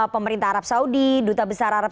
pemerintah arab saudi duta besar arab